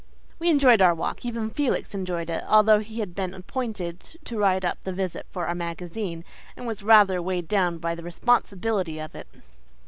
We enjoyed our walk even Felix enjoyed it, although he had been appointed to write up the visit for Our Magazine and was rather weighed down by the responsibility of it.